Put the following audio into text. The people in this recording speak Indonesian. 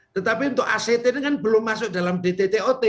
tetapi untuk act ini kan belum masuk dalam dttot